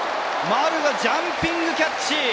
丸がジャンピングキャッチ！